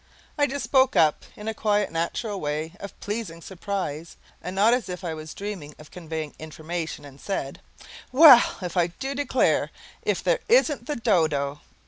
I just spoke up in a quite natural way of pleasing surprise, and not as if I was dreaming of conveying information, and said, "Well, I do declare, if there isn't the dodo!"